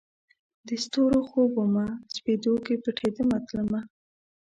د ستورو خوب ومه، سپیدو کې پټېدمه تلمه